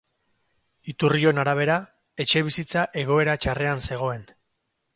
Iturrion arabera, etxebizitza egoera txarrean zegoen.